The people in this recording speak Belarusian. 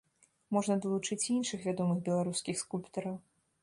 Можна далучыць і нашых вядомых беларускіх скульптараў.